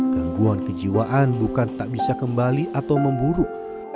gangguan kejiwaan bukan tak bisa kembali atau memburuk